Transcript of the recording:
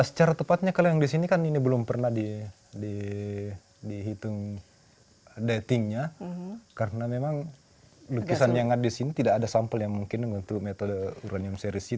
secara tepatnya kalau yang di sini kan ini belum pernah dihitung datingnya karena memang lukisan yang ada di sini tidak ada sampel yang mungkin untuk metode uranium series itu